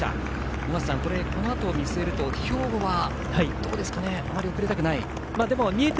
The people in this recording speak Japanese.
尾方さん、このあとを見据えると兵庫はどうですかねあまり遅れたくない。